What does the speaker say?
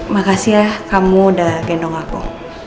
makasih ya kamu udah gendong aku